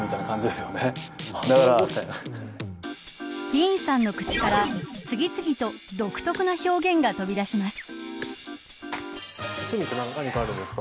ディーンさんの口から、次々と独特な表現が飛び出します。